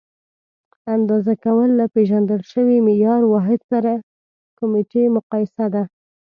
اندازه کول له پیژندل شوي معیاري واحد سره کمیتي مقایسه ده.